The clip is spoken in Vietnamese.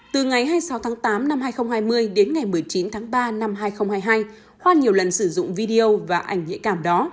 từ tháng tám năm hai nghìn hai mươi đến ngày một mươi chín tháng ba năm hai nghìn hai mươi hai hoan nhiều lần sử dụng video và ảnh nhạy cảm đó